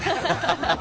ハハハハ。